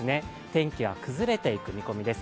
天気は崩れていく見込みです。